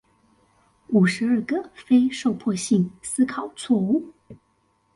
五十二個非受迫性思考錯誤